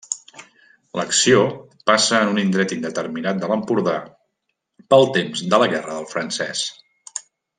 L'acció passa en un indret indeterminat de l'Empordà pel temps de la Guerra del Francès.